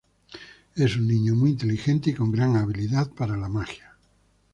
Es un niño muy inteligente y con gran habilidad para la magia.